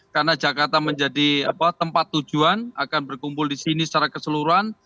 karena jakarta menjadi tempat tujuan akan berkumpul di sini secara keseluruhan